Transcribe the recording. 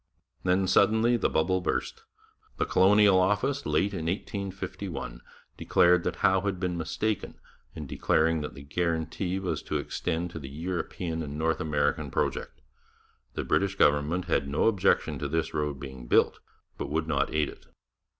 Then suddenly the bubble burst. The Colonial Office, late in 1851, declared that Howe had been mistaken in declaring that the guarantee was to extend to the European and North American project. The British government had no objection to this road being built, but would not aid it.